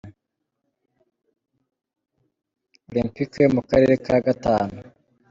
olempike yo mu karere ka Gatanu